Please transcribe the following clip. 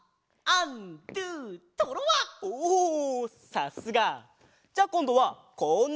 さすが！じゃあこんどはこんなポーズ！